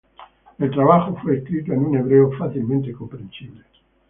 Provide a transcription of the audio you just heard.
El trabajo fue escrito en un hebreo fácilmente comprensible.